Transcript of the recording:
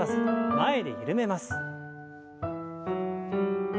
前で緩めます。